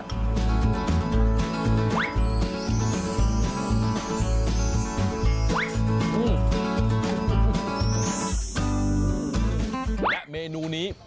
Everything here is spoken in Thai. และเมนูนี้